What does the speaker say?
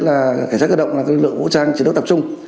là cảnh sát cơ động là lực lượng vũ trang chiến đấu tập trung